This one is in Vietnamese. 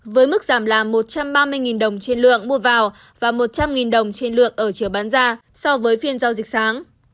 với mức giảm là một trăm ba mươi đồng trên lượng mua vào và một trăm linh đồng trên lượng ở chiều bán ra so với phiên giao dịch sáng